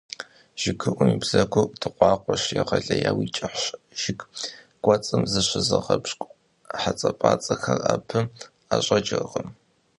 ЖыгыуIум и бзэгур дыкъуакъуэщ, егъэлеяуи кIыхьщ. Жыг кIуэцIым зыщызыгъэпщкIу хьэпIацIэхэр абы IэщIэкIыркъым.